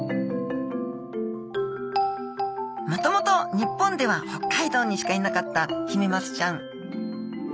もともと日本では北海道にしかいなかったヒメマスちゃん。